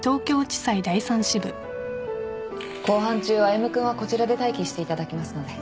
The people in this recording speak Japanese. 公判中歩君はこちらで待機していただきますので。